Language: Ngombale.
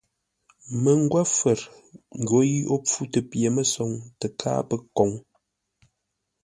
Məngwə́fə̂r, gho yi ó mpfutə pye-mə́soŋ tə́ káa pə́ kǒŋ.